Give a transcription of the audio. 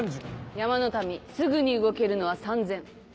山の民すぐに動けるのは３０００。